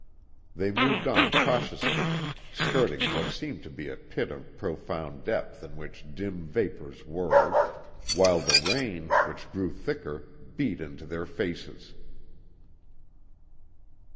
They moved on cautiously, skirting what seemed to be a pit of profound depth in which dim vapours whirled, while the rain, which grew thicker, beat into their faces.